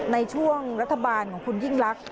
ในช่วงรัฐบาลของคุณยิ่งลักษ